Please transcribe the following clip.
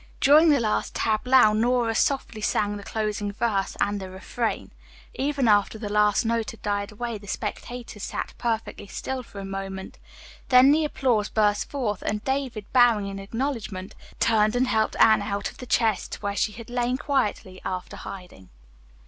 During the last tableau Nora softly sang the closing verse and the refrain. Even after the last note had died away the spectators sat perfectly still for a moment. Then the applause burst forth and David bowing in acknowledgment, turned and helped Anne out of the chest, where she had lain quietly after hiding.